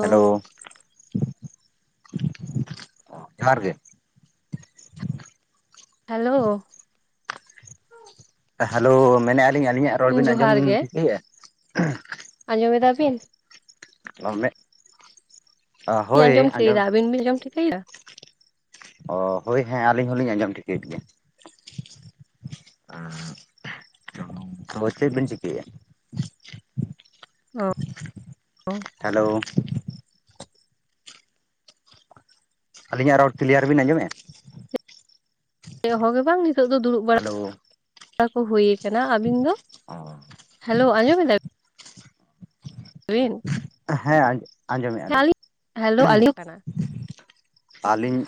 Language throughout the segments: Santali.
ᱦᱮᱞᱳ ᱡᱚᱦᱟᱨ ᱜᱮ! ᱦᱮᱞᱳ ᱦᱮᱞᱳ ᱢᱮᱱ ᱮᱜᱼᱟ ᱞᱤᱧ ᱟᱹᱞᱤᱧᱟᱜ ᱨᱚᱲ ᱵᱤᱱ ᱟᱸᱡᱚᱢ ᱡᱚᱦᱟᱨ ᱵᱤᱱ ᱜᱮ ᱴᱷᱤᱠᱟᱹᱭᱮᱫᱼᱟ ᱟᱸᱡᱚᱢ ᱮᱫᱟ ᱵᱤᱱ ᱨᱚᱲ ᱢᱮ ᱟᱞᱤᱧ ᱟᱸᱡᱚᱢ ᱴᱷᱤᱠᱟᱹᱭᱼᱟ ᱟᱵᱤᱱ ᱟᱡᱚᱢ ᱴᱷᱤᱠᱟᱹᱭᱼᱟ ᱚ ᱦᱳᱭ ᱦᱮᱸ ᱟᱹᱞᱤᱧ ᱦᱚᱞᱤᱧ ᱟᱸᱡᱚᱢ ᱴᱷᱤᱠᱟᱹᱭᱮᱫ ᱜᱮᱭᱟ ᱦᱚᱭ ᱪᱮᱫ ᱵᱤᱱ ᱪᱤᱠᱟᱹᱭ ᱮᱜᱼᱟ? ᱚ [unintelligible] ᱦᱮᱞᱳ ᱟᱹᱞᱤᱧᱟᱜ ᱨᱚᱲ ᱠᱞᱤᱭᱟᱨ ᱵᱤᱱ ᱟᱸᱡᱚᱢᱮᱫ-ᱟ ᱦᱮ ᱵᱟᱝ ᱱᱤᱛᱚᱜ ᱫᱚ ᱫᱩᱲᱩᱵ ᱵᱟᱲᱟ ᱦᱮᱞᱳ ᱵᱟᱲᱟ ᱠᱚ ᱦᱩᱭ ᱠᱟᱱᱟ ᱟᱵᱤᱱ ᱫᱚ ᱦᱮᱞᱳ ᱟᱸᱡᱚᱢ ᱮᱫᱟ ᱦᱮᱸ ᱟᱸᱡᱚᱢᱮᱫᱼᱟ ᱞᱤᱧ ᱦᱮᱞᱳ ᱟᱹᱞᱤᱧ ᱠᱟᱱᱟ ᱦᱮᱸ ᱟᱹᱞᱤᱧ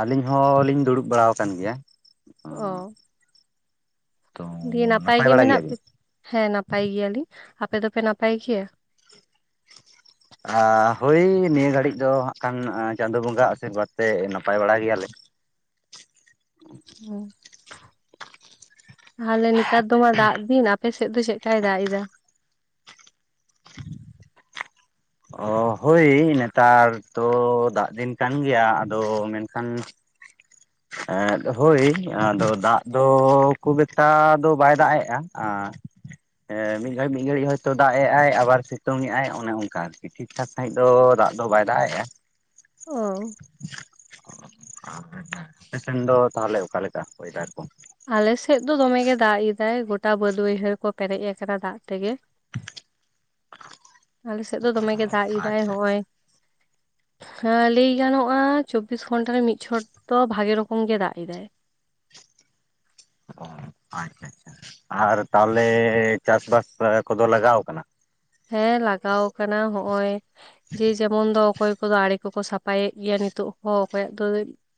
ᱟᱹᱞᱤᱧ ᱦᱚᱞᱤᱧ ᱫᱩᱲᱩᱵ ᱵᱟᱲᱟ ᱟᱠᱟᱱ ᱜᱮᱭᱟ ᱚ ᱛᱚ ᱫᱤᱭᱮ ᱱᱟᱯᱟᱭ ᱜᱮ ᱵᱟᱲᱟ ᱢᱮᱱᱟᱜ ᱯᱮ ᱜᱮᱭᱟᱵᱤᱱ ᱦᱮᱸ ᱱᱟᱯᱟᱭ ᱜᱮᱭᱟᱞᱤᱧ ᱟᱯᱮ ᱫᱚᱯᱮ ᱱᱟᱯᱟᱭ ᱜᱮᱭᱟ ᱟ ᱦᱳᱭ ᱱᱤᱭᱟᱹ ᱜᱷᱟᱹᱲᱤᱡ ᱫᱚ ᱦᱟᱸᱜ ᱠᱷᱟᱱ ᱪᱟᱸᱫᱳ ᱵᱚᱸᱜᱟ ᱟᱥᱤᱨᱵᱟᱫᱽ ᱛᱮ ᱱᱟᱯᱟᱭ ᱵᱟᱲᱟ ᱜᱮᱭᱟᱞᱮ ᱦᱩᱸ ᱛᱟᱦᱚᱞᱮ ᱱᱮᱛᱟᱨ ᱫᱚ ᱢᱟ ᱫᱟᱜ ᱫᱤᱱ ᱟᱯᱮᱥᱮᱫ ᱫᱚ ᱪᱮᱫᱞᱮᱠᱟᱭ ᱫᱟᱜ ᱮᱫᱟ ᱚ ᱦᱳᱭ ᱱᱮᱛᱟᱨ ᱫᱚ ᱫᱟᱜ ᱫᱤᱱ ᱠᱟᱱ ᱜᱮᱭᱟ ᱟᱫᱚ ᱢᱮᱱᱠᱷᱟᱱ ᱮ ᱦᱳᱭ ᱟᱫᱚ ᱫᱟᱜ ᱫᱚ ᱠᱷᱩᱵ ᱮᱠᱴᱟ ᱫᱚ ᱵᱟᱭ ᱫᱟᱜ ᱮᱫ-ᱟ ᱮ ᱢᱤᱫ ᱜᱷᱟᱹᱲᱤᱡ ᱢᱤᱫ ᱜᱷᱟᱹᱲᱤᱡ ᱦᱚᱭᱛᱳ ᱫᱟᱜ ᱮᱫ ᱟᱭ ᱟᱵᱟᱨ ᱥᱤᱛᱩᱝ ᱮᱫᱟᱭ ᱚᱱᱮ ᱚᱱᱠᱟ ᱟᱨᱠᱤ ᱴᱷᱤᱠ ᱴᱷᱟᱠ ᱥᱟᱺᱦᱤᱡ ᱫᱚ ᱫᱟᱜ ᱫᱚ ᱵᱟᱭ ᱫᱟᱜ ᱮᱜ-ᱟ ᱚ ᱟᱯᱮᱥᱮᱱ ᱫᱚ ᱛᱟᱦᱚᱞᱮ ᱚᱠᱟᱞᱮᱠᱟ ᱚᱭᱮᱫᱟᱨ ᱠᱚ ᱟᱞᱮᱥᱮᱫ ᱫᱚ ᱫᱚᱢᱮ ᱜᱮ ᱫᱟᱜ ᱮᱫᱟᱭ ᱜᱚᱴᱟ ᱵᱟᱹᱫᱽ ᱵᱟᱹᱭᱦᱟᱹᱲ ᱠᱚ ᱯᱮᱨᱮᱡ ᱟᱠᱟᱱᱟ ᱫᱟᱜ ᱛᱮᱜᱮ ᱟᱞᱮ ᱥᱮᱫ ᱫᱚ ᱫᱚᱢᱮ ᱜᱮ ᱫᱟᱜ ᱮᱟᱭ ᱟᱪᱪᱷᱟ ᱦᱚᱸᱜ-ᱚᱭ ᱟᱪᱪᱷᱟ ᱦᱮᱸ ᱞᱟᱹᱭ ᱜᱟᱱᱚᱜ-ᱟ ᱪᱚᱵᱵᱤᱥ ᱜᱷᱚᱱᱴᱟ ᱨᱮ ᱢᱤᱫ ᱪᱷᱚᱴ ᱫᱚ ᱵᱷᱟᱜᱮ ᱨᱚᱠᱚᱢ ᱜᱮ ᱫᱟᱜ ᱮᱫᱟᱭ ᱚ ᱟᱪᱪᱷᱟ ᱟᱪᱪᱷᱟ ᱟᱨ ᱛᱟᱦᱚᱞᱮ ᱪᱟᱥᱵᱟᱥ ᱠᱚᱫᱚ ᱞᱟᱜᱟᱣ ᱟᱠᱟᱱᱟ ᱦᱮᱸ ᱞᱟᱜᱟᱣ ᱠᱟᱱᱟ ᱦᱚᱜ-ᱚᱭ ᱡᱮ ᱡᱮᱢᱚᱱ ᱫᱚ ᱚᱠᱚᱭ ᱠᱚᱫᱚ ᱟᱲᱮ ᱠᱚᱠᱚ ᱥᱟᱯᱷᱟᱭᱮᱫ ᱜᱮᱭᱟ ᱱᱤᱛᱚᱜ ᱦᱚᱸ ᱚᱠᱚᱭᱟᱜ ᱫᱚ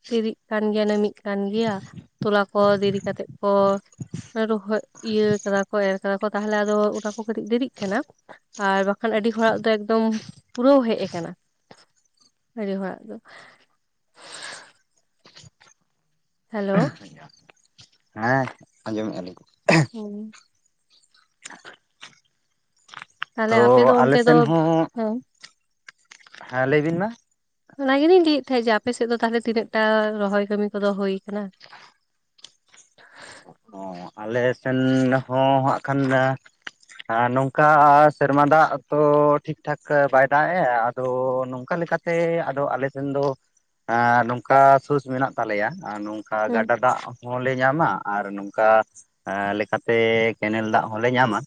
ᱵᱮᱨᱤᱜ ᱠᱟᱱ ᱜᱮᱭᱟ ᱱᱟᱹ ᱢᱤᱫ ᱠᱟᱱ ᱜᱮᱭᱟ ᱛᱚᱞᱟ ᱠᱚ ᱫᱮᱨᱤ ᱠᱟᱛᱮᱜ ᱠᱚ ᱨᱚᱦᱚᱭ ᱤᱭᱟᱹ ᱠᱟᱫᱟ ᱠᱚ ᱮᱨ ᱠᱟᱫᱟ ᱠᱚ ᱛᱟᱦᱚᱞᱮ ᱟᱫᱚ ᱚᱱᱟ ᱠᱚ ᱠᱟᱹᱴᱤᱡ ᱫᱮᱨᱤᱜ ᱠᱟᱱᱟ ᱟᱨ ᱵᱟᱠᱷᱟᱱ ᱟᱹᱰᱤ ᱦᱚᱲᱟᱜ ᱫᱚ ᱮᱠᱫᱚᱢ ᱯᱩᱨᱟᱹᱣ ᱦᱮᱡ ᱟᱠᱟᱱᱟ ᱟᱹᱰᱤ ᱦᱚᱲᱟᱜ ᱜᱮ ᱦᱮᱞᱳ ᱦᱮᱸ ᱟᱸᱡᱚᱢᱮᱫ-ᱟᱞᱤᱧ ᱦᱮᱸ ᱛᱟᱦᱞᱮ ᱛᱚ ᱟᱯᱮ ᱫᱚ ᱚᱱᱛᱮ ᱫᱚ ᱟᱞᱮᱥᱮᱱ ᱦᱚᱸ ᱦᱮᱸ ᱦᱮᱸ ᱞᱟᱹᱭᱵᱤᱱ ᱢᱟ ᱚᱱᱟ ᱜᱮᱞᱤᱧ ᱞᱟᱹᱭᱮᱫ ᱛᱟᱦᱮᱸᱜ ᱡᱮ ᱟᱯᱮᱥᱮᱫ ᱫᱚ ᱛᱟᱦᱚᱞᱮ ᱛᱤᱱᱟᱹᱜ ᱴᱟ ᱨᱚᱦᱚᱭ ᱠᱟᱹᱢᱤ ᱠᱚᱫᱚ ᱦᱩᱭ ᱠᱟᱱᱟ ᱚ ᱟᱞᱮ ᱥᱮᱱ ᱦᱚᱸ ᱦᱟᱸᱜ ᱠᱷᱟᱱ ᱫᱚ ᱦᱮ ᱱᱚᱝᱠᱟ ᱥᱮᱨᱢᱟ ᱫᱟᱜ ᱛᱚ ᱴᱷᱤᱠᱴᱷᱟᱠ ᱵᱟᱭ ᱫᱟᱜ ᱮᱜ-ᱟ ᱟᱫᱚ ᱱᱚᱝᱠᱟ ᱞᱮᱠᱟᱛᱮ ᱥᱮ ᱟᱫᱚ ᱟᱞᱮᱥᱮᱱ ᱫᱚ ᱮ ᱱᱚᱝᱠᱟ ᱥᱳᱥ ᱢᱮᱱᱟᱜ ᱛᱟᱞᱮᱭᱟ ᱦᱩᱸ ᱜᱟᱰᱟ ᱫᱟᱜ ᱦᱚᱸᱞᱮ ᱧᱟᱢᱟ ᱟᱨ ᱱᱚᱝᱠᱟ ᱞᱮᱠᱟᱛᱮ ᱠᱮᱱᱮᱞ ᱫᱟᱜ ᱦᱚᱞᱮ ᱧᱟᱢᱟ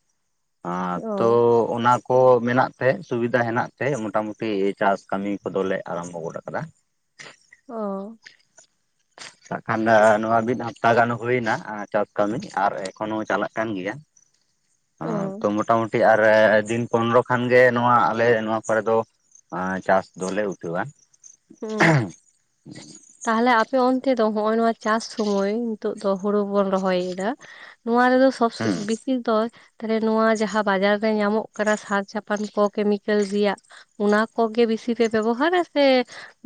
ᱦᱟᱻ ᱛᱚ ᱚ ᱚᱱᱟ ᱠᱚ ᱢᱮᱱᱟᱜ ᱛᱮ ᱥᱩᱵᱤᱫᱟ ᱦᱮᱱᱟᱜ ᱛᱮ ᱢᱚᱴᱟ ᱢᱩᱴᱤ ᱪᱟᱥ ᱠᱟᱹᱢᱤ ᱠᱚᱫᱚᱞᱮ ᱟᱨᱟᱢᱵᱷᱚ ᱜᱚᱫ ᱟᱠᱟᱫᱟ ᱚ ᱵᱟᱠᱷᱟᱱ ᱫᱚ ᱱᱚᱣᱟ ᱢᱤᱫ ᱦᱟᱯᱛᱟ ᱜᱟᱱᱚᱜ ᱦᱩᱭ ᱮᱱᱟ ᱪᱟᱥ ᱠᱟᱹᱢᱤ ᱟᱨ ᱮᱠᱷᱚᱱ ᱦᱚᱸ ᱪᱟᱞᱟᱜ ᱠᱟᱱ ᱜᱮᱭᱟ ᱛᱚ ᱚ ᱢᱚᱴᱟᱢᱩᱴᱤ ᱫᱤᱱ ᱯᱚᱱᱨᱚ ᱠᱷᱟᱱᱜᱮ ᱱᱚᱣᱟ ᱟᱞᱮ ᱱᱚᱣᱟ ᱠᱚᱨᱮ ᱫᱚ ᱮ ᱪᱟᱥ ᱫᱚᱞᱮ ᱩᱴᱷᱟᱹᱣᱟ ᱦᱮᱸ ᱛᱟᱦᱚᱞᱮ ᱟᱯᱮ ᱚᱱᱛᱮ ᱫᱚ ᱦᱚᱜ-ᱚᱭ ᱱᱚᱣᱟ ᱪᱟᱥ ᱥᱚᱢᱚᱭ ᱱᱤᱛᱚᱜ ᱫᱚ ᱦᱩᱲᱩ ᱵᱚᱱ ᱨᱚᱦᱚᱭᱮᱫᱟ ᱱᱚᱣᱟ ᱨᱮᱫᱚ ᱥᱚᱵ ᱦᱩᱸ ᱵᱮᱥᱤ ᱫᱚ ᱛᱟᱦᱚᱞᱮ ᱱᱚᱣᱟ ᱡᱟᱦᱟᱸ ᱵᱟᱡᱟᱨ ᱨᱮ ᱧᱟᱢᱚᱜ ᱠᱟᱱᱟ ᱥᱟᱨ ᱪᱷᱟᱯᱟᱱ ᱠᱚ ᱠᱮᱢᱤᱠᱮᱞ ᱨᱮᱭᱟᱜ ᱚᱱᱟ ᱠᱚ ᱜᱮ ᱵᱮᱥᱤ ᱯᱮ ᱵᱮᱵᱚᱦᱟᱨᱟ ᱥᱮ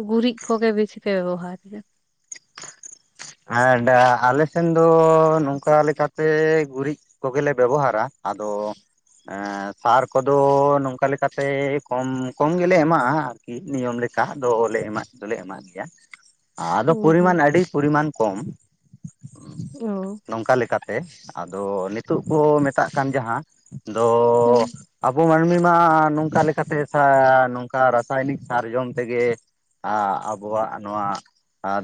ᱜᱩᱨᱤᱡ ᱠᱚ ᱜᱮ ᱵᱮᱥᱤ ᱯᱮ ᱵᱮᱵᱚᱦᱟᱨᱟ ᱮᱜᱼᱟ ᱟᱰᱟ ᱟᱞᱮ ᱥᱮᱱ ᱫᱚ ᱱᱚᱝᱠᱟ ᱞᱮᱠᱟ ᱛᱮ ᱜᱩᱨᱤᱡ ᱠᱚ ᱜᱮ ᱞᱮ ᱵᱮᱵᱚᱦᱟᱨᱟ ᱟᱫᱚ ᱮᱸ ᱥᱟᱨ ᱠᱚ ᱫᱚ ᱱᱚᱝᱠᱟ ᱞᱮᱠᱟ ᱛᱮ ᱠᱚᱢ ᱠᱚᱢ ᱜᱮ ᱞᱮ ᱮᱢᱟᱜ-ᱟ᱾ ᱢᱤᱫ ᱱᱤᱭᱚᱢ ᱞᱮᱠᱟ ᱫᱚ ᱞᱮ ᱮᱢᱟᱜ ᱫᱚᱞᱮ ᱮᱢᱟᱜ ᱜᱮᱭᱟ ᱟᱫᱚ ᱦᱩᱸ ᱦᱩᱸ ᱯᱚᱨᱤᱢᱟᱱ ᱟᱹᱰᱤ ᱯᱚᱨᱤᱢᱟᱱ ᱠᱚᱢ ᱚ ᱱᱚᱝᱠᱟ ᱞᱮᱠᱟ ᱛᱮ ᱟᱫᱚ ᱱᱤᱛᱚᱜ ᱠᱚ ᱢᱮᱛᱟᱜ ᱠᱟᱱ ᱡᱟᱦᱟᱸ ᱦᱩᱸ ᱞᱚ ᱟᱵᱚ ᱢᱟᱹᱱᱢᱤ ᱢᱟ ᱱᱚᱝᱠᱟ ᱞᱮᱠᱟ ᱛᱮ ᱥᱟ ᱱᱚᱝᱠᱟ ᱨᱟᱥᱟᱭᱚᱱᱤᱠ ᱥᱟᱨᱡᱚᱢ ᱛᱮ ᱜᱮ ᱟ ᱟᱵᱚᱣᱟᱜ ᱱᱚᱣᱟ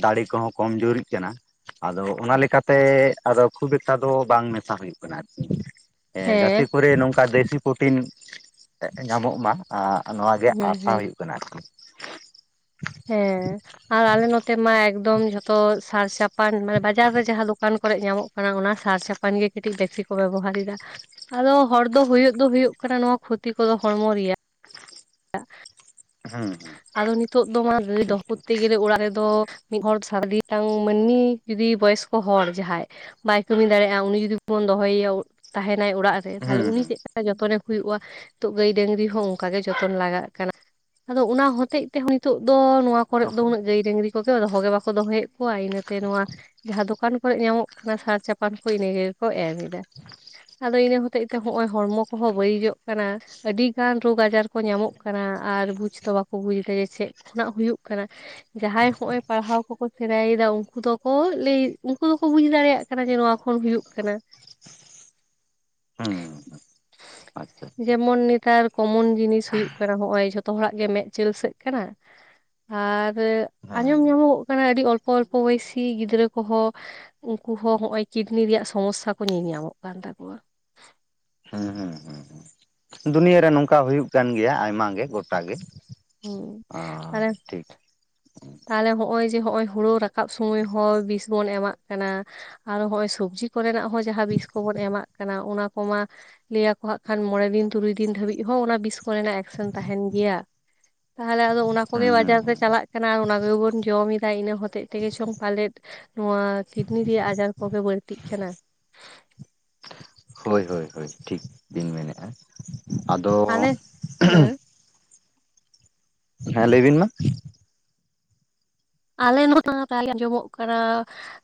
ᱫᱟᱲᱮ ᱠᱚ ᱦᱚᱸ ᱠᱚᱢᱡᱩᱨᱤᱜ ᱠᱟᱱᱟ ᱟᱫᱚ ᱚᱱᱟ ᱞᱮᱠᱟ ᱛᱮ ᱟᱫᱚ ᱠᱷᱩᱵ ᱮᱠᱴᱟ ᱫᱚ ᱵᱟᱝ ᱢᱮᱥᱟ ᱦᱩᱭᱩᱜ ᱠᱟᱱᱟ ᱟᱨᱠᱤ ᱜᱟᱛᱮ ᱦᱮᱸ ᱠᱚᱨᱮ ᱱᱚᱝᱠᱟ ᱫᱮᱥᱤ ᱯᱨᱚᱴᱤᱱ ᱧᱟᱢᱚᱜ ᱢᱟ ᱟ ᱱᱚᱣᱟ ᱜᱮ ᱦᱩᱸ ᱟᱥᱟ ᱦᱩᱸ ᱦᱩᱭᱩᱜ ᱠᱟᱱᱟ ᱟᱨᱠᱤ ᱦᱮᱸ ᱟᱨ ᱟᱞᱮ ᱱᱚᱛᱮ ᱢᱟ ᱮᱠᱫᱚᱢ ᱡᱚᱛᱚ ᱥᱟᱨ ᱪᱷᱟᱯᱟᱱ ᱢᱟᱱᱮ ᱵᱟᱡᱟᱨ ᱨᱮ ᱡᱟᱦᱟᱸ ᱫᱚᱠᱟᱱ ᱠᱚᱨᱮᱜ ᱧᱟᱢᱚᱜ ᱚᱱᱟ ᱥᱟᱨ ᱪᱷᱟᱯᱟᱱ ᱜᱮ ᱠᱟᱹᱴᱤᱡ ᱵᱮᱥᱤ ᱠᱚ ᱵᱮᱵᱚᱦᱟᱨ ᱮᱫᱟ᱾ ᱟᱫᱚ ᱦᱚᱲ ᱫᱚ ᱦᱩᱭᱩᱜ ᱫᱚ ᱦᱩᱭᱩᱜ ᱠᱟᱱᱟ ᱱᱚᱣᱟ ᱠᱷᱩᱛᱤ ᱠᱚ ᱫᱚ ᱦᱚᱲᱢᱚ ᱨᱮᱭᱟᱜ [inaudible] ᱦᱩᱸ ᱦᱩᱸ ᱟᱫᱚ ᱱᱤᱛᱚᱜ ᱫᱚ ᱱᱚᱣᱟ ᱨᱮ ᱫᱚ ᱴᱷᱤᱠ ᱠᱷᱩᱫᱽ ᱴᱷᱤᱠ ᱛᱮᱜᱮ ᱚᱲᱟᱜ ᱨᱮ ᱫᱚ ᱢᱤᱫ ᱦᱚᱲ ᱥᱟᱨᱫᱤ ᱴᱟᱝ ᱢᱟᱹᱱᱢᱤ ᱡᱩᱫᱤ ᱵᱚᱭᱚᱥ ᱠᱚ ᱦᱚᱲ ᱡᱟᱦᱟᱸᱭ ᱵᱟᱭ ᱠᱟᱹᱢᱤ ᱫᱟᱲᱮᱭᱟᱜ-ᱟ ᱩᱱᱤ ᱡᱩᱫᱤ ᱵᱚᱱ ᱫᱚᱦᱚᱭᱮᱭᱟ ᱛᱟᱦᱮᱱᱟᱭ ᱚᱲᱟᱜ ᱨᱮ ᱛᱟᱦᱚᱞᱮ ᱦᱩᱸ ᱩᱱᱤ ᱦᱩᱸ ᱪᱮᱫ ᱠᱟ ᱡᱚᱛᱚᱱᱮ ᱦᱩᱭᱩᱜ-ᱟ ᱛᱚ ᱜᱟᱹᱭ ᱰᱟᱹᱝᱨᱤ ᱦᱚᱸ ᱚᱱᱠᱟ ᱜᱮ ᱡᱚᱛᱚᱱ ᱞᱟᱜᱟᱜ ᱠᱟᱱᱟ ᱟᱫᱚ ᱚᱱᱟ ᱦᱚᱛᱮᱡ ᱛᱮ ᱦᱚᱸ ᱱᱤᱛᱚᱜ ᱫᱚ ᱱᱚᱣᱟ ᱠᱚᱨᱮ ᱫᱚ ᱩᱱᱟᱹᱜ ᱜᱟᱹᱭ ᱰᱟᱹᱝᱨᱤ ᱠᱚ ᱜᱮ ᱫᱚᱦᱚ ᱜᱮ ᱵᱟᱠᱚ ᱫᱚᱦᱚᱭᱮᱫ ᱠᱚᱣᱟ ᱤᱱᱟᱹ ᱛᱮ ᱱᱚᱣᱟ ᱡᱟᱦᱟᱸ ᱫᱚᱠᱟᱱ ᱠᱚᱨᱮ ᱧᱟᱢᱚᱜ ᱠᱟᱱᱟ ᱥᱟᱨ ᱪᱷᱟᱯᱟᱱ ᱠᱚ ᱤᱱᱟᱹ ᱜᱮ ᱠᱚ ᱮᱢ ᱢᱮ ᱫᱟ ᱟᱫᱚ ᱤᱱᱟᱹ ᱦᱚᱛᱮᱡ ᱛᱮ ᱦᱚᱸᱜ-ᱚᱭ ᱦᱚᱲᱢᱚ ᱠᱚᱦᱚᱸ ᱵᱟᱹᱲᱤᱡᱚᱜ ᱠᱟᱱᱟ᱾ ᱟᱹᱰᱤ ᱜᱟᱱ ᱨᱚᱜᱽ ᱟᱡᱟᱨ ᱠᱚ ᱧᱟᱢᱚᱜ ᱠᱟᱱᱟ ᱟᱨ ᱵᱩᱡᱽ ᱛᱚ ᱵᱟᱠᱚ ᱵᱩᱡᱽ ᱫᱟ ᱡᱮ ᱪᱮᱫ ᱠᱷᱚᱱᱟᱜ ᱦᱩᱭᱩᱜ ᱠᱟᱱᱟ ᱡᱟᱦᱟᱸᱭ ᱦᱚᱜ-ᱚᱭ ᱯᱟᱲᱦᱟᱣ ᱠᱚᱠᱚ ᱥᱮᱬᱟᱭ ᱮᱫᱟ ᱩᱱᱠᱩ ᱫᱚᱠᱚ ᱞᱟᱹᱭ ᱩᱱᱠᱩ ᱫᱚᱠᱚ ᱵᱩᱡᱽ ᱫᱟᱲᱮᱭᱟᱜ ᱠᱟᱱᱟ ᱡᱮ ᱱᱚᱣᱟ ᱠᱷᱚᱱ ᱦᱩᱭᱩᱜ ᱠᱟᱱᱟ ᱾ ᱦᱮᱸ ᱾ ᱡᱮᱢᱚᱱ ᱱᱮᱛᱟᱨ ᱠᱚᱢᱚᱱ ᱡᱤᱱᱤᱥ ᱦᱩᱭᱩᱜ ᱠᱟᱱᱟ ᱦᱚᱸᱜ-ᱚᱭ ᱡᱚᱛᱚ ᱦᱚᱲᱟᱜ ᱜᱮ ᱢᱮᱫ ᱪᱤᱞᱥᱟᱹᱜ ᱠᱟᱱᱟ ᱟᱨ ᱦᱮᱸ ᱟᱸᱡᱚᱢ ᱧᱟᱢᱚᱜᱚᱜ ᱠᱟᱱᱟ ᱟᱹᱰᱤ ᱚᱞ ᱠᱚ ᱚᱞᱯᱚ ᱵᱚᱭᱮᱥᱤ ᱜᱤᱫᱽᱨᱟᱹ ᱠᱚᱦᱚᱸ ᱩᱱᱠᱩ ᱦᱚᱸ ᱦᱚᱜ-ᱚᱭ ᱠᱤᱰᱱᱤ ᱨᱮᱭᱟᱜ ᱥᱚᱢᱚᱥᱟ ᱠᱚ ᱧᱮᱞ ᱧᱟᱢᱚᱜ ᱠᱟᱱ ᱛᱟᱠᱚᱣᱟ ᱾ ᱦᱩᱸ ᱦᱩᱸ ᱦᱩᱸ ᱫᱩᱱᱭᱟᱹ ᱨᱮ ᱱᱚᱝᱠᱟ ᱦᱩᱭᱩᱜ ᱠᱟᱱ ᱜᱮᱭᱟ ᱟᱭᱢᱟ ᱜᱮ ᱜᱚᱴᱟ ᱜᱮ᱾ ᱦᱩᱸ ᱟᱸ ᱛᱟᱦᱞᱮ ᱴᱷᱤᱠ ᱾ ᱛᱟᱦᱚᱞᱮ ᱦᱚᱜ-ᱚᱭ ᱡᱮ ᱦᱚᱜ-ᱚᱭ ᱦᱩᱲᱩ ᱨᱟᱠᱟᱵ ᱥᱚᱢᱚᱭ ᱦᱚᱸ ᱵᱤᱥ ᱵᱚᱱ ᱮᱢᱟᱜ ᱠᱟᱱᱟ ᱟᱨ ᱦᱚᱜ-ᱚᱭ ᱥᱚᱵᱡᱤ ᱠᱚ ᱨᱮᱱᱟᱜ ᱦᱚᱸ ᱡᱟᱦᱟᱸ ᱵᱤᱥ ᱠᱚᱵᱚᱱ ᱮᱢᱟᱜ ᱠᱟᱱᱟ ᱚᱱᱟ ᱠᱚᱢᱟ ᱞᱟᱹᱭ ᱟᱠᱚ ᱦᱟᱸᱜ ᱠᱷᱟᱱ ᱢᱚᱬᱮ ᱫᱤᱱ ᱛᱩᱨᱩᱭ ᱫᱤᱱ ᱫᱷᱟᱹᱵᱤᱡ ᱦᱚᱸ ᱚᱱᱟ ᱵᱤᱥ ᱠᱚ ᱨᱮᱱᱟᱜ ᱮᱠᱥᱮᱱ ᱛᱟᱦᱮᱱ ᱜᱮᱭᱟ ᱛᱟᱦᱚᱞᱮ ᱟᱫᱚ ᱚᱱᱟ ᱦᱩᱸ ᱠᱚᱜᱮ ᱦᱩᱸ ᱵᱟᱡᱟᱨ ᱨᱮ ᱦᱩᱸ ᱪᱟᱞᱟᱜ ᱠᱟᱱᱟ ᱚᱱᱟ ᱠᱚᱜᱮ ᱵᱚᱱ ᱡᱚᱢ ᱮᱫᱟ ᱤᱱᱟᱹ ᱦᱚᱛᱮᱡ ᱛᱮᱜᱮ ᱪᱚᱝ ᱯᱟᱞᱮᱫ, ᱱᱚᱣᱟ ᱠᱤᱰᱱᱤ ᱨᱮᱭᱟᱜ ᱟᱡᱟᱨ ᱠᱚᱜᱮ ᱵᱟᱹᱲᱛᱤᱜ ᱠᱟᱱᱟ᱾ ᱦᱳᱭ ᱦᱳᱭ ᱦᱳᱭ ᱴᱷᱤᱠ ᱵᱤᱱ ᱢᱮᱱᱮᱫ-ᱟ ᱟᱫᱚ ᱟᱞᱮ ᱦᱮᱸ ᱦᱮᱸ ᱞᱟᱹᱭ ᱵᱤᱱ ᱢᱟ? ᱟᱞᱮ ᱦᱚᱛᱚ ᱛᱟᱦᱚᱞᱮ ᱟᱸᱡᱚᱢᱚᱜ ᱠᱟᱱᱟ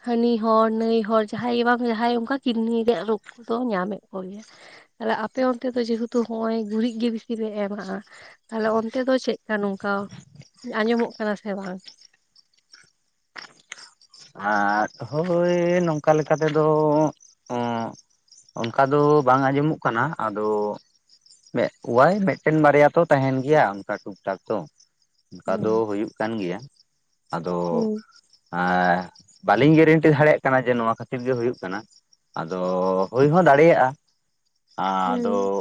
ᱦᱟᱹᱱᱤ ᱦᱚᱲ ᱱᱟᱹᱭ ᱦᱚᱲ ᱡᱟᱦᱟᱸᱭ ᱜᱮ ᱵᱟᱝ ᱡᱟᱦᱟᱸᱭ ᱚᱱᱠᱟ ᱠᱤᱰᱱᱤ ᱨᱮᱭᱟᱜ ᱨᱳᱜ ᱠᱚᱫᱚ ᱧᱟᱢᱮᱫ ᱠᱚ ᱜᱮᱭᱟ ᱾ ᱟᱨ ᱟᱯᱮ ᱚᱱᱛᱮ ᱫᱚ ᱡᱮᱦᱩᱛᱩ ᱦᱚᱜ-ᱚᱭ ᱜᱩᱨᱤᱡ ᱜᱮ ᱵᱮᱥᱛᱤ ᱯᱮ ᱮᱢᱟᱜ-ᱟ ᱾ ᱛᱟᱦᱚᱞᱮ ᱚᱱᱛᱮ ᱫᱚ ᱪᱮᱫ ᱠᱟ ᱱᱚᱝᱠᱟ ᱟᱸᱡᱚᱢᱚᱜ ᱠᱟᱱᱟ ᱥᱮ ᱵᱟᱝ? ᱟᱸᱜ ᱦᱳᱭ ᱱᱚᱝᱠᱟ ᱞᱮᱠᱟ ᱛᱮᱫᱚ ᱚᱸᱜ ᱚᱱᱠᱟ ᱫᱚ ᱵᱟᱝ ᱟᱸᱡᱚᱢᱚᱜ ᱠᱟᱱᱟ ᱟᱫᱚ ᱢᱮᱜ ᱠᱳᱣᱟᱭ ᱢᱤᱫᱴᱮᱱ ᱵᱟᱨᱭᱟ ᱛᱚ ᱛᱟᱦᱮᱱ ᱜᱮᱭᱟ ᱚᱱᱠᱟ ᱴᱩᱠ ᱴᱟᱠ ᱫᱚ᱾ ᱚᱱᱠᱟ ᱫᱚ ᱦᱩᱸ ᱦᱩᱭᱩᱜ ᱠᱟᱱ ᱜᱮᱭᱟ ᱾ ᱟᱫᱚ ᱦᱩᱸ ᱮᱸᱻ ᱵᱟᱹᱞᱤᱧ ᱜᱮᱨᱮᱱᱴᱤ ᱫᱟᱲᱮᱭᱟᱜ ᱠᱟᱱᱟ ᱡᱮ ᱱᱚᱣᱟ ᱠᱷᱟᱹᱛᱤᱨ ᱜᱮ ᱦᱩᱭᱩᱜ ᱠᱟᱱᱟ ᱾ ᱟᱫᱚ ᱦᱩᱭ ᱦᱚᱸ ᱫᱟᱲᱮᱭᱟᱜᱼᱟ᱾ ᱟᱫᱚ ᱦᱩᱸ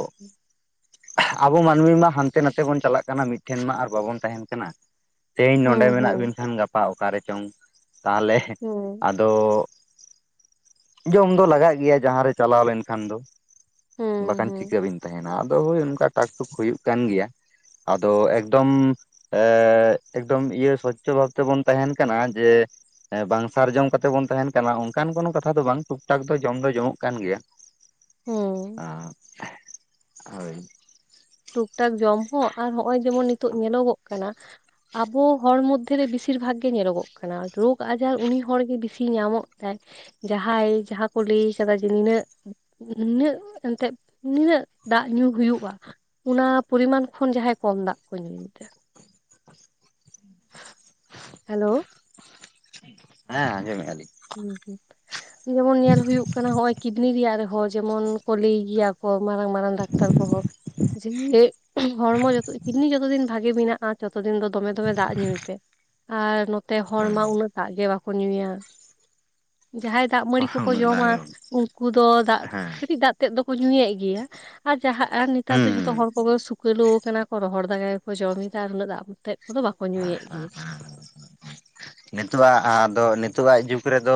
ᱟᱵᱚ ᱢᱟᱹᱱᱢᱤ ᱢᱟ ᱦᱟᱱᱛᱮ ᱱᱟᱛᱮ ᱵᱚᱱ ᱪᱟᱞᱟᱜ ᱠᱟᱱᱟ, ᱢᱤᱫᱴᱷᱮᱱ ᱢᱟ ᱟᱨ ᱵᱟᱵᱚᱱ ᱛᱟᱦᱮᱱ ᱠᱟᱱᱟ ᱾ ᱛᱮᱦᱮᱧ ᱱᱚᱰᱮ ᱦᱩᱸ ᱦᱩᱸ ᱢᱮᱱᱟᱜ ᱵᱤᱱ ᱠᱷᱟᱱ ᱜᱟᱯᱟ ᱚᱠᱟᱨᱮ ᱪᱚᱝ ᱾ ᱛᱟᱦᱚᱞᱮ ᱦᱩᱸ ᱟᱫᱚ ᱡᱚᱢ ᱫᱚ ᱞᱟᱜᱟᱜ ᱜᱮᱭᱟ ᱡᱟᱦᱟᱸᱨᱮ ᱪᱟᱞᱟᱣ ᱞᱮᱱᱠᱷᱟᱱ ᱫᱚ ᱾ ᱦᱩᱸ ᱵᱟᱠᱷᱟᱱ ᱦᱩᱸ ᱪᱤᱠᱟᱹᱵᱤᱱ ᱛᱟᱦᱮᱱᱟ ᱾ ᱟᱫᱚ ᱦᱳᱭ ᱚᱱᱠᱟ ᱴᱟᱠ ᱴᱩᱠ ᱦᱩᱭᱩᱜ ᱠᱟᱱ ᱜᱮᱭᱟ ᱾ ᱟᱫᱚ ᱮᱠᱫᱚᱢ ᱮᱸᱻ ᱮᱠᱫᱚᱢ ᱤᱭᱟᱹ ᱥᱚᱪᱷ ᱪᱟᱵᱟ ᱠᱟᱛᱮᱜ ᱵᱚᱱ ᱛᱟᱦᱮᱱ ᱠᱟᱱᱟ, ᱡᱮ ᱵᱟᱝ ᱥᱟᱨᱡᱚᱢ ᱠᱟᱛᱮᱜ ᱵᱚᱱ ᱛᱟᱦᱮᱱ ᱠᱟᱱᱟ, ᱚᱱᱠᱟᱱ ᱠᱚᱱᱳ ᱠᱟᱛᱷᱟ ᱫᱚ ᱵᱟᱝ ᱴᱩᱠ ᱴᱟᱠ ᱫᱚ ᱡᱚᱢ ᱫᱚ ᱡᱚᱢᱚᱜ ᱠᱟᱱ ᱜᱮᱭᱟ ᱾ ᱦᱩᱸ [unintelligible] ᱴᱩᱠᱼ ᱴᱟᱠ ᱡᱚᱢ ᱦᱚᱸ ᱟᱨ ᱱᱚᱜᱼᱚᱭ ᱡᱮᱢᱚᱱ ᱱᱤᱛᱚᱜ ᱧᱮᱞᱚᱜᱚᱜ ᱠᱟᱱᱟ ᱾ ᱟᱵᱚ ᱦᱚᱲ ᱢᱚᱫᱽᱫᱷᱮᱨᱮ ᱵᱮᱥᱤᱨ ᱵᱷᱟᱜᱽ ᱜᱮ ᱧᱮᱞᱚᱜᱚᱜ ᱠᱟᱱᱟ, ᱨᱳᱜᱽ ᱟᱡᱟᱨ ᱩᱱᱤ ᱦᱚᱲᱜᱮ ᱵᱤᱥᱤ ᱧᱟᱢᱚᱜ ᱛᱟᱭ ᱡᱟᱦᱟᱸᱭ ᱡᱟᱦᱟᱸ ᱠᱚ ᱞᱟᱹᱭ ᱟᱠᱟᱫᱟ ᱡᱮ ᱱᱤᱱᱟᱹᱜ ᱱᱤᱱᱟᱹᱜ ᱮᱱᱛᱮᱫ ᱱᱤᱱᱟᱹᱜ ᱫᱟᱜ ᱧᱩ ᱦᱩᱭᱩᱜᱼᱟ ᱾ ᱚᱱᱟ ᱯᱚᱨᱤᱢᱟᱱ ᱠᱷᱚᱱ ᱡᱟᱦᱟᱸᱭ ᱠᱚᱢ ᱫᱟᱜ ᱠᱚ ᱧᱩᱭᱮᱫᱟ ᱾ ᱦᱮᱞᱳ ᱦᱮᱸ ᱟᱸᱡᱚᱢᱮᱫᱼᱟ ᱞᱤᱧ ᱦᱩᱸ ᱡᱮᱢᱚᱱ ᱧᱮᱞ ᱦᱩᱭᱩᱜ ᱠᱟᱱᱟ ᱦᱚᱜᱼᱚᱭ ᱠᱤᱰᱱᱤ ᱨᱮᱭᱟᱜ ᱨᱮᱦᱚᱸ ᱡᱮᱢᱚᱱ, ᱠᱚ ᱞᱟᱹᱭ ᱜᱮᱭᱟ ᱠᱚ ᱢᱟᱨᱟᱝ ᱢᱟᱨᱟᱝ ᱰᱟᱠᱛᱟᱨ ᱠᱚᱦᱚᱸ ᱾ ᱡᱮᱢᱤᱞᱮ ᱦᱚᱲᱢᱚ ᱡᱚᱛᱚ ᱠᱤᱰᱱᱤ ᱡᱚᱛᱚ ᱫᱤᱱ ᱵᱷᱟᱜᱮ ᱢᱮᱱᱟᱜᱼᱟ ᱡᱚᱛᱚ ᱫᱤᱱ ᱫᱚᱢᱮ ᱫᱚᱢᱮ ᱫᱟᱜ ᱧᱩᱭ ᱯᱮ ᱾ ᱟᱨ ᱱᱚᱛᱮ ᱦᱚᱲ ᱢᱟ ᱩᱱᱟᱜ ᱫᱟᱜ ᱜᱮ ᱵᱟᱠᱚ ᱧᱩᱭᱟ ᱾ ᱡᱟᱦᱟᱸᱭ ᱫᱟᱜ ᱢᱟᱹᱲᱤ ᱦᱮᱸ ᱠᱚᱠᱚ ᱡᱚᱢᱟ, ᱩᱱᱠᱩ ᱫᱚ ᱫᱟᱜ ᱠᱟᱹᱴᱤᱡ ᱫᱟᱜ ᱛᱮᱫ ᱫᱚᱠᱚ ᱧᱩᱭᱮᱫ ᱜᱮᱭᱟ ᱾ ᱟᱨ ᱡᱟᱦᱟᱸ ᱟᱨ ᱱᱮᱛᱟᱨ ᱦᱮᱸ ᱫᱚ ᱡᱚᱛ ᱡᱚᱛᱚ ᱦᱚᱲ ᱠᱚᱜᱮ ᱥᱩᱠᱟᱹᱞᱩ ᱟᱠᱟᱱᱟ ᱠᱚ ᱨᱚᱦᱚᱲ ᱫᱟᱜ ᱜᱮᱠᱚ ᱡᱚᱢᱮᱫᱟ, ᱟᱨ ᱩᱱᱟᱹᱜ ᱫᱟᱜ ᱛᱮᱫ ᱠᱚᱫᱚ ᱵᱟᱠᱚ ᱦᱮᱸ ᱧᱩᱭᱮᱫ ᱦᱮᱸ ᱜᱮ ᱾ ᱱᱤᱛᱚᱜᱟᱜ ᱟᱫᱚ ᱱᱤᱛᱳᱜ ᱟᱜ ᱡᱩᱜᱽ ᱨᱮᱫᱚᱻ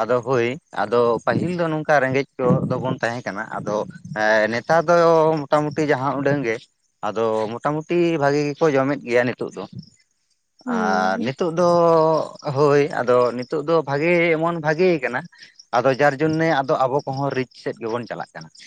ᱟᱫᱚ ᱦᱳᱭ ᱟᱫᱚ ᱯᱟᱹᱦᱤᱞ ᱫᱚ ᱱᱚᱝᱠᱟ ᱨᱮᱸᱜᱮᱡ ᱠᱚ ᱫᱚᱵᱚᱱ ᱛᱟᱦᱮᱸ ᱠᱟᱱᱟ ᱾ ᱟᱫᱚ ᱦᱮᱸ ᱱᱮᱛᱟᱨ ᱫᱚ ᱢᱚᱴᱟᱢᱩᱴᱤ ᱡᱟᱦᱟᱸ ᱩᱰᱟᱹᱝ ᱜᱮ ᱾ ᱟᱫᱚ ᱢᱚᱴᱟᱢᱩᱴᱤ ᱵᱷᱟᱜᱤ ᱜᱮᱠᱚ ᱡᱚᱢᱮᱫ ᱜᱮᱭᱟ ᱾ ᱱᱤᱛᱚᱜ ᱫᱚ ᱟᱨ ᱦᱩᱸ ᱱᱤᱛᱳᱜ ᱫᱚ, ᱦᱳᱭ ᱟᱫᱚ ᱱᱤᱛᱚᱜ ᱫᱚ ᱵᱷᱟᱜᱮ ᱮᱢᱚᱱ ᱵᱷᱟᱜᱮ ᱠᱟᱱᱟ ᱾ ᱟᱫᱚ ᱡᱟᱨ ᱡᱚᱱᱱᱮ ᱟᱫᱚ ᱟᱵᱚ ᱠᱚᱦᱚᱸ ᱨᱤᱪ ᱥᱮᱫ ᱜᱮᱵᱚᱱ ᱪᱟᱞᱟᱜ ᱠᱟᱱᱟ ᱾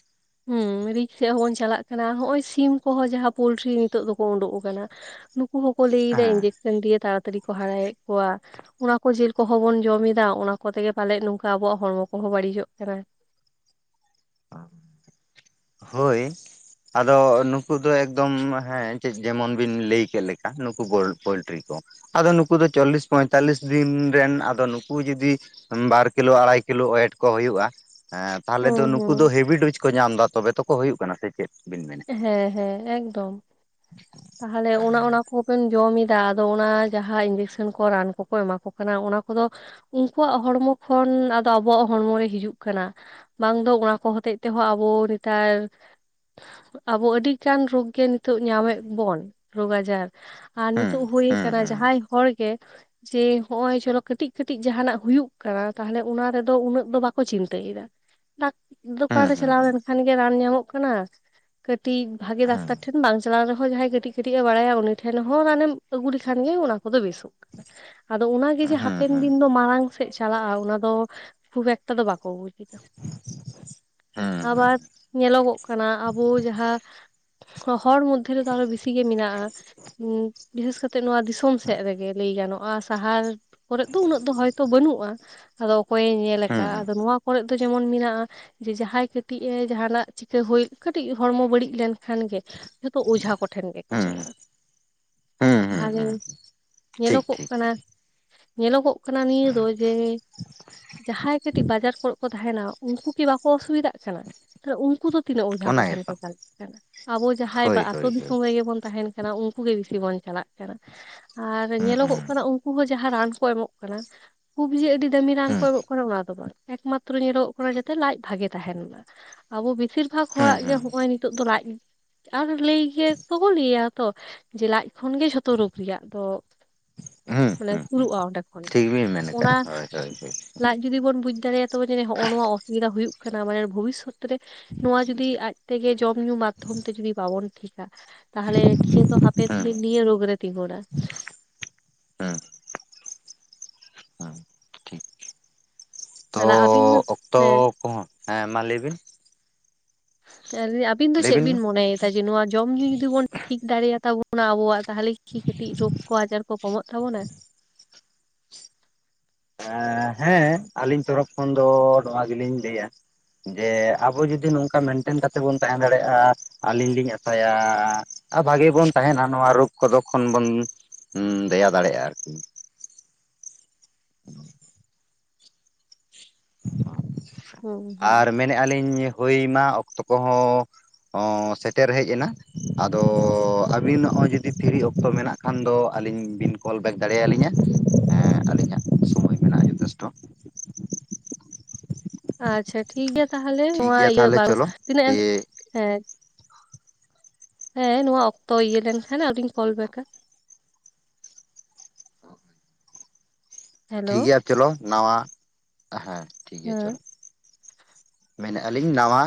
ᱦᱮᱸ ᱨᱤᱪ ᱥᱮᱫ ᱦᱚᱸᱵᱚᱱ ᱪᱟᱞᱟᱜ ᱠᱟᱱᱟ ᱾ ᱦᱚᱜ ᱱᱚᱼᱚᱭ ᱥᱤᱢ ᱠᱚᱦᱚᱸ ᱡᱟᱦᱟᱸ ᱯᱳᱚᱞᱴᱨᱤ ᱱᱤᱛᱚᱜ ᱫᱚᱠᱚ ᱩᱰᱩᱠ ᱟᱠᱟᱱᱟ ᱾ ᱱᱩᱠᱩ ᱦᱚᱸᱠᱚ ᱞᱟᱹᱭ ᱫᱟ ᱦᱮᱸ ᱤᱧᱡᱮᱠᱥᱮᱱ ᱫᱤᱭᱮ ᱛᱟᱲᱟᱛᱟᱲᱤ ᱠᱚ ᱦᱟᱨᱟᱭᱮᱫ ᱠᱚᱣᱟ ᱾ ᱚᱱᱟ ᱠᱚ ᱡᱤᱞ ᱠᱚᱦᱚᱸ ᱵᱚᱱ ᱡᱚᱢᱮᱫᱟ ᱚᱱᱟ ᱠᱚᱛᱮᱜᱮ ᱯᱟᱞᱮᱫ ᱱᱚᱝᱠᱟ ᱟᱵᱚᱣᱟᱜ ᱦᱚᱲᱢᱚ ᱠᱚᱦᱚᱸ ᱵᱟᱹᱲᱤᱡᱚᱜ ᱠᱟᱱᱟ ᱾ [unintelligible] ᱦᱳᱭ ᱟᱫᱚ ᱱᱩᱠᱩ ᱫᱚ ᱮᱠᱫᱚᱢ ᱦᱮᱸ ᱪᱮᱫ ᱡᱮᱢᱚᱱ ᱵᱤᱱ ᱞᱟᱹᱭ ᱠᱮᱫ ᱞᱮᱠᱟ, ᱱᱩᱠᱩ ᱜᱳᱞ ᱯᱳᱞᱴᱨᱤ ᱠᱚ ᱾ ᱟᱫᱚ ᱱᱩᱠᱩ ᱫᱚ ᱪᱚᱞᱞᱤᱥ ᱯᱚᱸᱭᱛᱟᱞᱞᱤᱥ ᱫᱤᱱ ᱨᱮᱱ ᱟᱫᱚ ᱱᱩᱠᱩ ᱡᱚᱫᱤ ᱵᱟᱨ ᱠᱤᱞᱳ ᱟᱲᱟᱭ ᱠᱤᱞᱳ ᱚᱭᱮᱴ ᱠᱚ ᱦᱩᱭᱩᱜᱼᱟ ᱾ ᱮᱸ ᱛᱟᱦᱚᱞᱮ ᱫᱚ ᱦᱩᱸ ᱱᱩᱠᱩ ᱫᱚ ᱦᱩᱸ ᱦᱮᱵᱤ ᱰᱳᱡᱽ ᱠᱚ ᱧᱟᱢ ᱮᱫᱟ ᱛᱚᱵᱮ ᱛᱚᱠᱚ ᱦᱩᱭᱩᱜ ᱠᱟᱱᱟ ᱥᱮ ᱪᱮᱫ ᱵᱤᱱ ᱢᱮᱱᱟ ᱦᱮᱸ ᱦᱮᱸ ᱮᱠᱫᱚᱢ ᱛᱟᱦᱚᱞᱮ ᱚᱱᱟ ᱚᱱᱟ ᱠᱚᱵᱮᱱ ᱡᱚᱢᱟ ᱥᱮ ᱟᱫᱚ ᱚᱱᱟ ᱡᱟᱦᱟᱸ ᱤᱧᱡᱮᱠᱥᱟᱱ ᱠᱚ ᱨᱟᱱ ᱠᱚᱠᱚ ᱮᱢᱟ ᱠᱚ ᱠᱟᱱᱟ, ᱚᱱᱟ ᱠᱚᱫᱚ ᱩᱱᱠᱩᱣᱟᱜ ᱦᱚᱲᱢᱚ ᱠᱷᱚᱱ ᱟᱫᱚ ᱟᱵᱚᱣᱟᱜ ᱦᱚᱲᱢᱚᱨᱮ ᱦᱤᱡᱩᱜ ᱠᱟᱱᱟ ᱾ ᱵᱟᱝ ᱫᱚ ᱚᱱᱟ ᱠᱚ ᱦᱚᱛᱮᱡ ᱛᱮᱦᱚᱸ ᱟᱵᱚ ᱱᱮᱛᱟᱨ ᱟᱵᱚ ᱟᱹᱰᱤ ᱜᱟᱱ ᱨᱳᱜ ᱜᱮ ᱱᱤᱛᱚᱜ ᱧᱟᱢᱮᱫ ᱵᱚᱱ ᱨᱳᱜᱽ ᱟᱡᱟᱨ, ᱟᱨ ᱦᱩᱸ ᱱᱤᱛᱚᱜ ᱦᱳ ᱦᱩᱸ ᱟᱠᱟᱱᱟ ᱦᱩᱸ ᱡᱟᱦᱟᱸᱭ ᱦᱚᱲ ᱜᱮ [inaudible] ᱡᱮ ᱦᱚᱜ ᱪᱚᱞᱚ ᱠᱟᱹᱴᱤᱡ ᱠᱟᱹᱴᱤᱡ ᱡᱟᱦᱟᱸᱱᱟᱜ ᱦᱩᱭᱩᱜ ᱠᱟᱱᱟ, ᱛᱟᱦᱚᱞᱮ ᱚᱱᱟ ᱨᱮᱫᱚ ᱩᱱᱟᱹᱜ ᱫᱚ ᱵᱟᱠᱚ ᱪᱤᱱᱛᱟᱹᱭᱮᱫᱟ ᱾ [unintelligible] ᱫᱚᱠᱟᱱ ᱦᱩᱸ ᱨᱮ ᱪᱟᱞᱟᱣ ᱞᱮᱱ ᱠᱷᱟᱱ ᱜᱮ ᱨᱟᱱ ᱧᱟᱢᱚᱜ ᱠᱟᱱᱟ ᱠᱟᱹᱴᱤᱡ ᱵᱷᱟᱜᱤ ᱦᱩᱸ ᱰᱟᱠᱛᱟᱨ ᱴᱷᱮᱱ ᱵᱟᱝ ᱪᱟᱞᱟᱣ ᱨᱮᱦᱚᱸ ᱡᱟᱦᱟᱸᱭ ᱠᱟᱹᱴᱤᱡ ᱠᱟᱹᱴᱤᱡ ᱮ ᱵᱟᱲᱟᱭᱟ ᱩᱱᱤ ᱴᱷᱮᱱ ᱦᱚᱸ ᱨᱟᱱᱮᱢ ᱟᱹᱜᱩ ᱞᱮᱠᱷᱟᱱ ᱜᱮ ᱚᱱᱟ ᱠᱚᱫᱚ ᱵᱮᱥᱚᱜᱼᱟ ᱟᱫᱚ ᱚᱱᱟᱜᱮ ᱡᱮ ᱦᱩᱸ ᱦᱟᱯᱮᱱ ᱦᱩᱸ ᱫᱤᱱ ᱫᱚ ᱢᱟᱲᱟᱝᱟᱜ ᱥᱮᱫ ᱪᱟᱞᱟᱜᱼᱟ ᱚᱱᱟ ᱫᱚ ᱠᱷᱩᱵ ᱮᱠᱴᱟ ᱫᱚ ᱵᱟᱠᱚ ᱵᱩᱡᱼᱟ ᱦᱩᱸ ᱦᱩᱸ ᱟᱵᱟᱨ ᱧᱮᱞᱚᱜᱚᱜ ᱠᱟᱱᱟ ᱟᱵᱚ ᱡᱟᱦᱟᱸ ᱦᱚᱲ ᱢᱚᱫᱽᱫᱷᱮ ᱨᱮ ᱫᱚ ᱟᱨᱚ ᱵᱮᱥᱤ ᱜᱮ ᱢᱮᱱᱟᱜᱼᱟ ᱵᱤᱥᱮᱥ ᱠᱟᱛᱮᱜ ᱱᱚᱣᱟ ᱫᱤᱥᱚᱢ ᱥᱮᱫ ᱨᱮᱜᱮ ᱞᱟᱹᱭ ᱜᱟᱱᱚᱜᱼᱟ ᱥᱟᱦᱟᱨ ᱠᱚᱨᱮᱫ ᱫᱚ ᱩᱱᱟᱹᱜ ᱫᱚ ᱦᱚᱭᱛᱳ ᱵᱟᱹᱱᱩᱜᱼᱟ ᱟᱫᱚ ᱚᱠᱚᱭᱮ ᱧᱮᱞ ᱦᱩᱸ ᱦᱩᱸ ᱟᱠᱟᱫᱼᱟ ᱟᱫᱚ ᱱᱚᱣᱟ ᱠᱚᱨᱮ ᱫᱚ ᱡᱮᱢᱚᱱ ᱢᱮᱱᱟᱜᱼᱟ ᱡᱮ ᱡᱟᱦᱟᱸᱭ ᱠᱟᱹᱴᱤᱡ ᱮ ᱡᱟᱦᱟᱱᱟᱜ ᱪᱤᱠᱟᱹ ᱦᱩᱭ ᱠᱟᱹᱴᱤᱡ ᱦᱚᱲᱢᱚ ᱵᱟᱹᱲᱤᱡ ᱞᱮᱱᱠᱷᱟᱱ ᱜᱮ ᱡᱚᱛᱚ ᱚᱡᱷᱟ ᱠᱚᱴᱷᱮᱱ ᱜᱮᱠᱚ ᱦᱩᱸ ᱪᱟᱞᱟᱜᱼᱟ ᱦᱩᱸ ᱦᱩᱸ ᱦᱩᱸ ᱛᱟᱦᱚᱞᱮ ᱦᱩᱸ ᱴᱷᱤᱠ ᱧᱮᱞᱚᱜᱚᱜ ᱴᱷᱤᱠ ᱠᱟᱱᱟ ᱧᱮᱞᱚᱜᱚᱜ ᱠᱟᱱᱟ ᱱᱤᱭᱟᱹ ᱫᱚ ᱡᱮ ᱡᱟᱦᱟᱸᱭ ᱠᱟᱹᱴᱤᱡ ᱵᱟᱡᱟᱨ ᱠᱚᱨᱮ ᱠᱚ ᱛᱟᱦᱮᱱᱟ ᱩᱱᱠᱩ ᱠᱤ ᱵᱟᱠᱚ ᱚᱥᱩᱵᱤᱫᱷᱟᱜ ᱠᱟᱱᱟᱮ ᱩᱱᱠᱩ ᱫᱚ ᱛᱤᱱᱟᱹᱜ ᱚᱡᱷᱟ ᱚᱱᱟ ᱠᱚᱴᱷᱮᱱ ᱜᱮᱛᱚ ᱠᱚ ᱪᱟᱞᱟᱜ ᱠᱟᱱᱟ ᱟᱵᱚ ᱡᱟᱦᱟᱸᱭ ᱦᱳᱭ ᱟᱹᱛᱩ ᱦᱳᱭ ᱦᱳᱭ ᱫᱤᱥᱚᱢ ᱠᱚᱨᱮ ᱵᱚᱱ ᱛᱟᱦᱮᱱ ᱠᱟᱱᱟ ᱩᱱᱠᱩ ᱡᱮ ᱵᱮᱥᱤ ᱵᱚᱱ ᱪᱟᱞᱟᱜ ᱠᱟᱱᱟ ᱟᱨ ᱦᱩᱸ ᱧᱮᱞᱚᱜ ᱦᱩᱸ ᱜᱚᱜ ᱠᱟᱱᱟ ᱩᱱᱠᱩ ᱡᱟᱦᱟᱸ ᱨᱟᱱ ᱠᱚ ᱮᱢᱚᱜ ᱠᱟᱱᱟ ᱠᱷᱩᱵᱽ ᱡᱮ ᱟᱹᱰᱤ ᱫᱟᱹᱢᱤ ᱨᱟᱱ ᱦᱩᱸ ᱠᱚ ᱮᱢᱚᱜ ᱠᱟᱱᱟ ᱚᱱᱟ ᱫᱚ ᱵᱟᱝ ᱮᱠᱢᱟᱛᱨᱚ ᱧᱮᱞᱚᱜ ᱠᱟᱱᱟ ᱡᱮᱛᱮ ᱞᱟᱡ ᱵᱷᱟᱜᱮ ᱛᱟᱦᱮᱱ ᱢᱟ ᱟᱵᱚ ᱵᱤᱥᱤᱨ ᱦᱩᱸ ᱦᱚᱲᱟᱜ ᱜᱮ ᱦᱩᱸ ᱦᱚᱸᱜᱼᱚᱭ ᱱᱤᱛᱚᱜ ᱫᱚ ᱞᱟᱡ ᱜᱮ ᱟᱨ ᱞᱟᱹᱭ ᱜᱮᱭᱟ ᱠᱚ ᱵᱟᱠᱚ ᱞᱟᱹᱭᱟ ᱛᱚ ᱡᱮ ᱞᱟᱡ ᱠᱷᱚᱱᱜᱮ ᱡᱷᱚᱛᱚ ᱨᱳᱜᱤ ᱨᱮᱭᱟᱜ ᱫᱚ ᱦᱩᱸ ᱢᱟᱱᱮ ᱦᱩᱸ ᱥᱩᱨᱩᱜᱼᱟ ᱚᱸᱰᱮ ᱠᱷᱚᱱ ᱜᱮ ᱴᱷᱤᱠ ᱵᱤᱱ ᱢᱮᱱ ᱚᱱᱟ ᱟᱠᱟᱜᱼᱟ ᱦᱳᱭ ᱦᱳᱭ ᱦᱳᱭ ᱞᱟᱡ ᱡᱩᱫᱤ ᱵᱚᱱ ᱵᱩᱡ ᱫᱟᱲᱮᱭᱟᱜᱼᱟ ᱛ ᱡ ᱱᱚᱜᱼᱚᱭ ᱱᱚᱣᱟ ᱚᱥᱩᱵᱤᱫᱟ ᱦᱩᱭᱩᱜ ᱠᱟᱱᱟ ᱢᱟᱱᱮ ᱵᱷᱚᱵᱤᱥᱥᱚᱛ ᱨᱮ ᱱᱚᱣᱟ ᱡᱩᱫᱤ ᱟᱡ ᱛᱮᱜᱮ ᱡᱚᱢ ᱧᱩ ᱢᱟᱫᱷᱚᱢ ᱴᱷᱤᱠᱟ ᱛᱟᱦᱚᱞᱮ ᱴᱷᱤᱠᱮ ᱛᱚ ᱦᱟᱯᱮ ᱦᱩᱸ ᱱᱤᱭᱟᱹ ᱨᱚᱜ ᱨᱮ ᱛᱤᱸᱜᱩᱱᱟ ᱦᱩᱸ ᱦᱩᱸ ᱴᱷᱤᱠ ᱛᱚ ᱛᱟᱦᱚᱞᱮ ᱟᱹᱵᱤᱱ ᱫᱚ ᱚᱠᱛᱚ ᱦᱮᱸ ᱠᱚᱦᱚᱸ ᱦᱮᱸ ᱢᱟ ᱞᱟᱹᱭ ᱵᱤᱱ ᱟᱵᱤᱱ ᱫᱚ ᱞᱟᱹᱭ ᱪᱮᱫ ᱢᱟ ᱵᱤᱱ ᱢᱚᱱᱮᱭᱮᱫᱟ ᱡᱮ ᱱᱚᱣᱟ ᱡᱚᱢ ᱧᱩ ᱡᱩᱫᱤ ᱵᱚᱱ ᱴᱷᱤᱠ ᱫᱟᱲᱮ ᱭᱟᱫ ᱛᱟᱵᱚᱱᱟ ᱟᱵᱚᱣᱟᱜ ᱛᱟᱦᱚᱞᱮ ᱠᱤ ᱠᱟᱹᱴᱤᱡ ᱨᱳᱜᱽ ᱠᱚ ᱟᱡᱟᱨ ᱠᱚ ᱠᱚᱢᱚᱜ ᱛᱟᱵᱚᱱᱟ ᱦᱮᱸ ᱟᱹᱞᱤᱧ ᱛᱚᱨᱚᱯ ᱠᱷᱚᱱ ᱫᱚ ᱱᱚᱣᱟ ᱜᱮᱞᱤᱧ ᱞᱟᱹᱭᱟ ᱡᱮ ᱟᱵᱚ ᱡᱩᱫᱤ ᱱᱚᱝᱠᱟ ᱢᱮᱱᱴᱮᱱ ᱠᱟᱛᱮ ᱵᱚᱱ ᱛᱟᱦᱮᱸ ᱫᱟᱲᱮᱭᱟᱜᱼᱟ ᱟᱹᱞᱤᱧ ᱞᱤᱧ ᱟᱥᱟᱭᱟ ᱟᱨ ᱵᱷᱟᱜᱤ ᱵᱚᱱ ᱛᱟᱦᱮᱱᱟ ᱱᱚᱣᱟ ᱨᱳᱜᱽ ᱠᱚᱫᱚ ᱠᱷᱚᱱ ᱵᱚᱱ ᱦᱩᱸ ᱫᱮᱭᱟ ᱫᱟᱲᱮᱭᱟᱜᱼᱟ ᱟᱨ ᱠᱤ ᱦ ᱦᱩᱸ ᱦᱩᱸ ᱢᱮᱱ ᱮᱫᱼᱟ ᱞᱤᱧ ᱦᱩᱭ ᱢᱟ ᱚᱠᱛᱚ ᱠᱚᱦᱚᱸ ᱦᱚᱸ ᱥᱮᱴᱮᱨ ᱦᱮᱡ ᱮᱱᱟ ᱟᱫᱚ ᱟᱹᱵᱤᱱ ᱱᱟᱜ ᱦᱚᱸ ᱡᱩᱫᱤ ᱯᱷᱨᱤ ᱚᱠᱛᱚ ᱢᱮᱱᱟᱜᱼᱟ ᱠᱷᱟᱱ ᱫᱚ ᱟᱹᱞᱤᱧ ᱵᱤᱱ ᱠᱚᱞᱼᱵᱮᱜ ᱫᱟᱲᱮ ᱭᱟᱞᱤᱧᱟ ᱟᱹᱞᱤᱧᱟᱜ ᱥᱚᱢᱚᱭ ᱢᱮᱱᱟᱜᱼᱟ ᱡᱚᱛᱷᱮᱥᱴᱚ [inaudible] ᱟᱪᱪᱷᱟ ᱴᱷᱤᱠ ᱜᱮᱭᱟ ᱛᱟᱦᱚᱞᱮ ᱴᱷᱤᱠ ᱱᱚᱣᱟ ᱜᱮᱭᱟ ᱤᱭᱟᱹ ᱛᱟᱦᱚᱞᱮ ᱵᱟᱨ ᱪᱚᱞᱚ ᱛᱤᱱᱟᱹᱜ ᱫᱤᱭᱮ ᱦᱮᱸ ᱦᱮᱸ ᱱᱚᱣᱟ ᱚᱠᱛᱚ ᱤᱭᱟᱹ ᱞᱮᱱ ᱠᱷᱟᱱ ᱟᱞᱤᱧ ᱠᱚᱞᱵᱮᱜᱟ ᱦᱮᱞᱳ ᱴᱷᱤᱠ ᱜᱮᱭᱟ ᱪᱚᱞᱚ ᱱᱟᱣᱟ ᱦᱮᱸ ᱴᱷᱤᱠ ᱜᱮᱭᱟ ᱦᱮᱸ ᱪᱚᱞᱚ ᱢᱮᱱᱮᱫᱼᱟ ᱞᱤᱧ ᱱᱟᱣᱟ